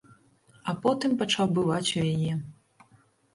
А потым пачаў бываць у яе.